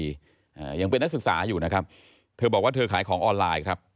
อ่ายังเป็นนักศึกษาอยู่นะครับเธอบอกว่าเธอขายของออนไลน์ครับ